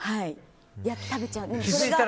食べちゃう。